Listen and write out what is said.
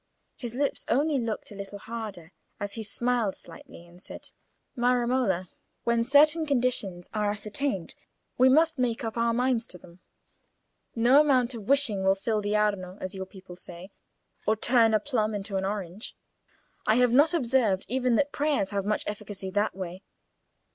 His lips only looked a little harder as he smiled slightly and said— "My Romola, when certain conditions are ascertained, we must make up our minds to them. No amount of wishing will fill the Arno, as your people say, or turn a plum into an orange. I have not observed even that prayers have much efficacy that way.